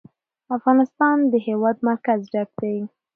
افغانستان له د هېواد مرکز ډک دی.